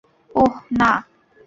অহ, না!